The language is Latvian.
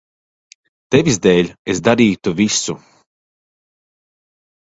Tevis dēļ es darītu visu.